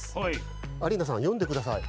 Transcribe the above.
アリーナさんよんでください。